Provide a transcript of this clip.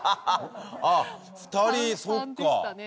ああ２人そっか。